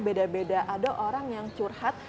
beda beda ada orang yang curhat